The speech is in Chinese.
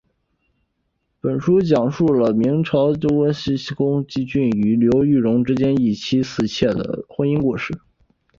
本书讲述了明朝弘治时期发生的庞国俊与刘玉蓉等之间一妻四妾的婚姻故事。